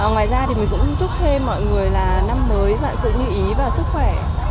ngoài ra thì mình cũng chúc thêm mọi người là năm mới và sự nhị ý và sức khỏe